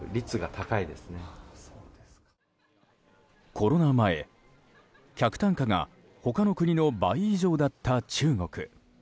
コロナ前、客単価が他の国の倍以上だった中国。